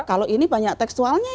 kalau ini banyak tekstualnya